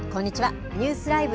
ニュースＬＩＶＥ！